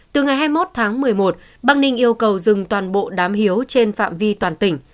từ ngày hai mươi một tháng một mươi một bắc ninh yêu cầu dừng toàn bộ đám hiếu trên phạm vi toàn tỉnh